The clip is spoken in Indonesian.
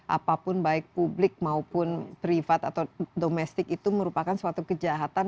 apapun baik publik maupun privat atau domestik itu merupakan suatu kejahatan